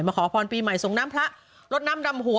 ขอพรปีใหม่ส่งน้ำพระลดน้ำดำหัว